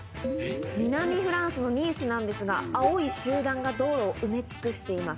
南フランスのニースなんですが、青い集団が道路を埋め尽くしています。